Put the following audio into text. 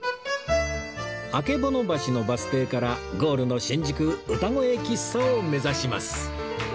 曙橋のバス停からゴールの新宿うたごえ喫茶を目指します